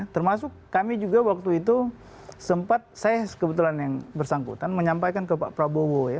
termasuk kami juga waktu itu sempat saya kebetulan yang bersangkutan menyampaikan ke pak prabowo ya